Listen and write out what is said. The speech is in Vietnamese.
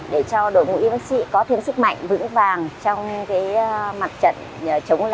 để cho đội ngũ y bác sĩ có thêm sức mạnh vững vàng